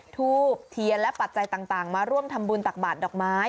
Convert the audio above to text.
ทูบเทียนและปัจจัยต่างมาร่วมทำบุญตักบาทดอกไม้